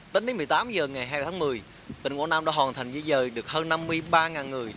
tính đến một mươi tám h ngày hai tháng một mươi tỉnh quảng nam đã hoàn thành di dời được hơn năm mươi ba người